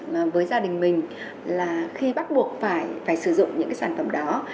với gia đình mình khi bắt buộc phải sử dụng những sản phẩm đó